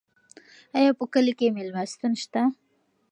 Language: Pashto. ایا په کلي کې مېلمستون شته؟